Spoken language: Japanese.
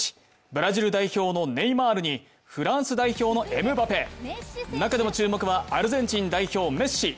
ブラジル代表のネイマールにフランス代表のエムバペ、中でも注目はアルゼンチン代表・メッシ。